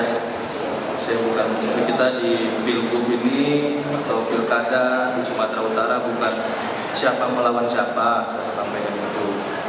saya bukan mencari kita di pilkada di sumatera utara bukan siapa mau lawan siapa saya akan sampaikan itu